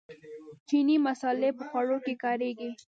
چیني مسالې په خوړو کې کاریږي.